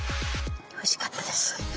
おいしかったです。